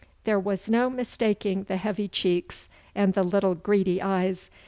There was no mistaking the heavy cheeks and the little greedy eyes.